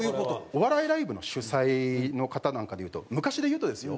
お笑いライブの主催の方なんかで言うと昔で言うとですよ。